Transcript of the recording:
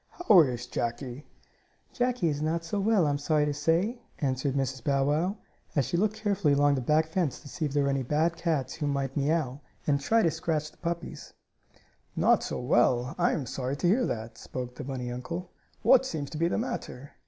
"How is Jackie?" "Jackie is not so well, I'm sorry to say," answered Mrs. Bow Wow, as she looked carefully along the back fence to see if there were any bad cats there who might meaouw, and try to scratch the puppies. "Not so well? I am sorry to hear that," spoke the bunny uncle. "What's seems to be the matter?"